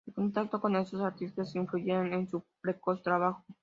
El contacto con estos artistas influyeron en su precoz trabajo.